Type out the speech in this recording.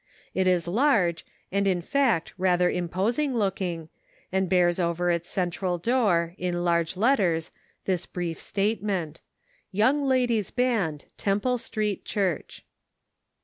It is large, and in fact rather imposing looking, and bears over its central door in large letters this brief statement: " YOUNG LADIES' BAND, TEMPLE STREET CHUKCH."